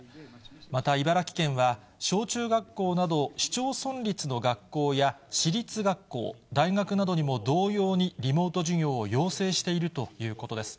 また茨城県は、小中学校など市町村立の学校や私立学校、大学などにも同様にリモート授業を要請しているということです。